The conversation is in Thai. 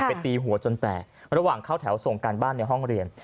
ตีหัวจนแตกระหว่างเข้าแถวส่งการบ้านในห้องเรียน